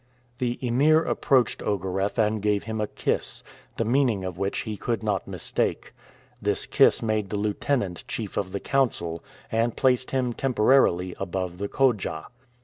The Emir approached Ogareff and gave him a kiss, the meaning of which he could not mistake. This kiss made the lieutenant chief of the council, and placed him temporarily above the khodja.